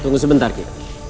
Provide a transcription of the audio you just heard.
tunggu sebentar ki